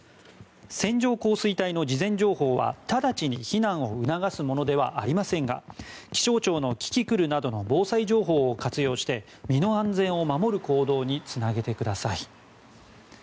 線状降水帯の事前情報は直ちに避難を促すものではありませんが気象庁のキキクルなどの防災情報を活用して身の安全を守る行動につなげてください。